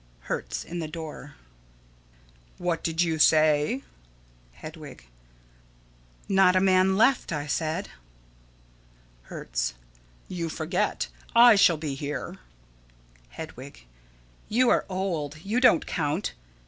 _] Hertz: [In the door.] What did you say? Hedwig: Not a man left, I said. Hertz: You forget. I shall be here. Hedwig: You are old. You don't count.